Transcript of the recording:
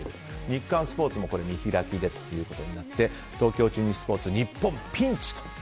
日刊スポーツも見開きでということで東京中日スポーツ日本ピンチと。